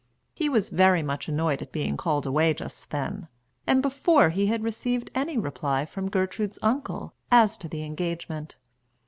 He was very much annoyed at being called away just then, and before he had received any reply from Gertrude's uncle as to the engagement.